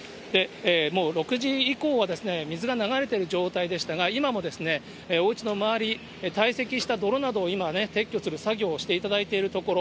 もう６時以降は、水が流れてる状態でしたが、今もおうちの周り、堆積した泥などを今ね、撤去する作業をしていただいているところ。